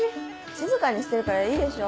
静かにしてるからいいでしょ。